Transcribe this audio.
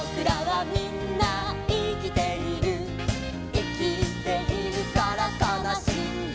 「いきているからかなしいんだ」